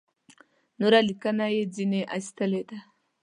نوره لیکنه یې ځنې ایستلې ده.